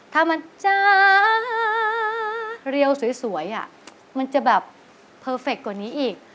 ถ้ามันจ้าเรียวสวยมันจะแบบเพอร์เฟคกว่านี้อีก